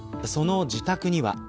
その自宅には。